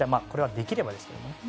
これはできればですけど。